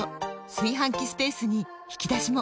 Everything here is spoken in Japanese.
炊飯器スペースに引き出しも！